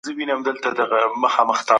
قیصر